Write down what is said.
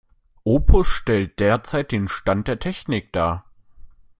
Opus stellt derzeit den Stand der Technik dar.